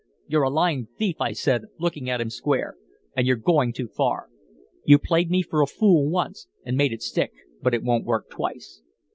"'You're a lying thief,' I said, looking at him square. 'And you're going too far. You played me for a fool once and made it stick, but it won't work twice.'